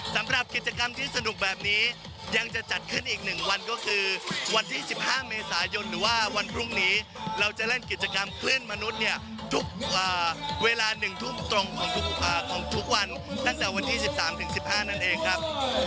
สำหรับกิจกรรมที่สนุกแบบนี้ยังจะจัดขึ้นอีก๑วันก็คือวันที่๑๕เมษายนหรือว่าวันพรุ่งนี้เราจะเล่นกิจกรรมคลื่นมนุษย์เนี่ยทุกเวลา๑ทุ่มตรงของทุกวันตั้งแต่วันที่๑๓๑๕นั่นเองครับ